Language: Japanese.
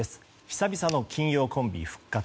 久々の金曜コンビ復活。